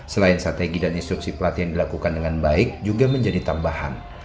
selain strategi dan instruksi pelatihan dilakukan dengan baik juga menjadi tambahan